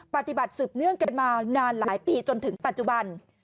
ปฏิบัติสืบเนื่องกันมานานหลายปีจนถึงปัจจุบัน